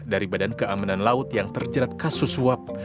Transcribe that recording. dari badan keamanan laut yang terjerat kasus suap